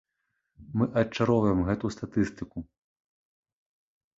Мы адчароўваем гэтую статыстыку.